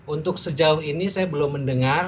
untuk sejauh ini saya belum mendengar